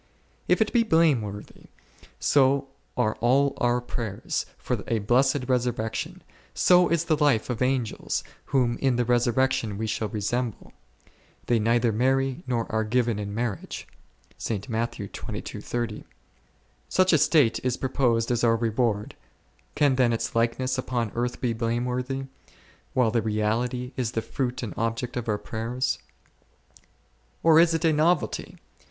(1.) If it be blameworthy, so are all our prayers for a blessed resurrection, so is the life of Angels, whom in the resurrection we shall resemble ; They neither marry nor are given in marriage™. Such a state is proposed as our reward ; can then its likeness upon earth be blameworthy, while the reality is the fruit and object of our prayers ? (2.) Or is it a novelty